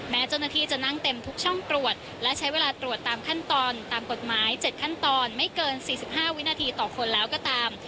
แม้เจ้าหน้าที่จะนั่งเต็มทุกช่องตรวจและใช้เวลาตรวจตามขั้นตอนตามกฎหมาย๗ขั้นตอนไม่เกิน๔๕วินาทีต่อคนแล้วก็ตาม